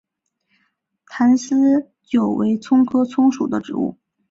坛丝韭为葱科葱属的植物。